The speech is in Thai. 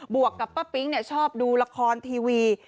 วกกับป้าปิ๊งชอบดูละครทีวี